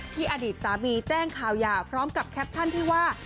อดีตสามีแจ้งข่าวหย่าพร้อมกับแคปชั่นที่ว่า